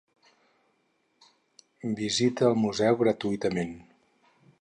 Visita el museu gratuïtament